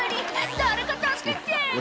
誰か助けて。